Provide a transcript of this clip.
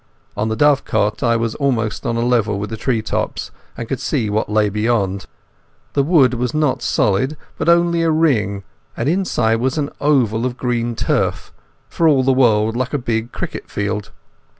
On the dovecot I was almost on a level with the tree tops, and could see what lay beyond. The wood was not solid, but only a ring, and inside was an oval of green turf, for all the world like a big cricket field.